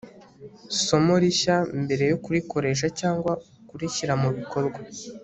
somo rishya mbere yo kurikoresha cyangwa kurishyira mu bikorwa